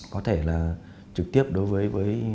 có thể là trực tiếp đối với